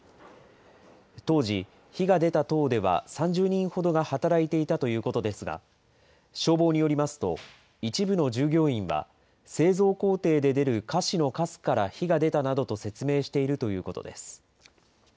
当時、火が出た棟では３０人ほどが働いていたということですが、消防によりますと、一部の従業員は、製造工程で出る菓子のかすから火が出たなどと説明しているということです。